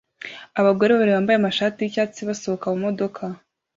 Abagore babiri bambaye amashati yicyatsi basohoka mumodoka